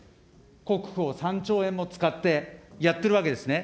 国庫を３兆円も使ってやってるわけですね。